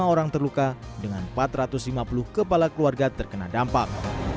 lima orang terluka dengan empat ratus lima puluh kepala keluarga terkena dampak